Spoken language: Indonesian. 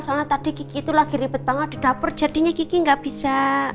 soalnya tadi gigi itu lagi ribet banget di dapur jadinya kiki nggak bisa